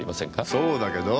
そうだけど？